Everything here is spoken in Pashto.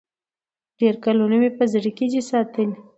ډېر کلونه مي په زړه کي دی ساتلی